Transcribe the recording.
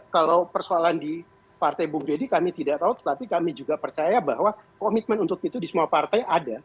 kalau persoalan di partai bung deddy kami tidak tahu tetapi kami juga percaya bahwa komitmen untuk itu di semua partai ada